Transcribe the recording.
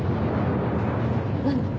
何？